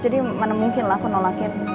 jadi mana mungkin lah aku nolakin